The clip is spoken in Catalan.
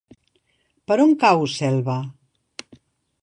Per on cau Selva?